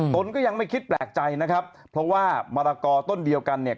ตนก็ยังไม่คิดแปลกใจนะครับเพราะว่ามะละกอต้นเดียวกันเนี่ย